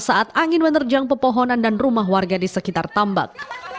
saat angin menerjang pepohonan dan rumah warga di sekitar tambak